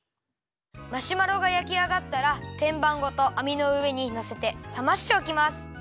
マシュマロがやきあがったらてんばんごとあみのうえにのせてさましておきます。